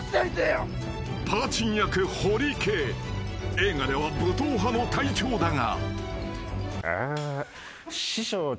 ［映画では武闘派の隊長だが］